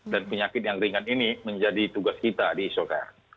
dan penyakit yang ringan ini menjadi tugas kita di sokr